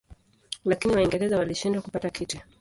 Lakini Waingereza walishindwa kupata kiti.